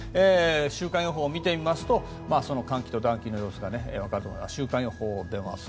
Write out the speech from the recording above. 週間予報を見てみますとその寒気と暖気の様子がわかると思います。